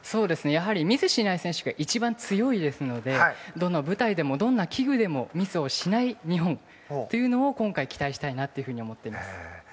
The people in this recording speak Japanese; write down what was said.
やはり、ミスしない選手が一番強いですのでどの舞台でも、どんな器具でもミスをしない日本というのを今回、期待したいなと思います。